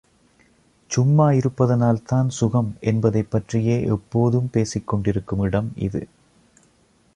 சும்மா இருப்பதனால்தான் சுகம் என்பதைப் பற்றியே எப்போதும் பேசிக் கொண்டிருக்கும் இடம் இது!